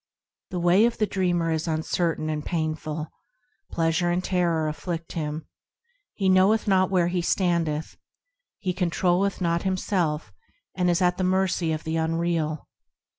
The way of the dreamer is uncertain and painful; Pleasure and terror afflict him ; He knoweth not where he standeth; He controlleth not himself, and is at the mercy of the unreal.